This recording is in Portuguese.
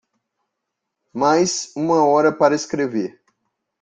Mais uma hora para escrever.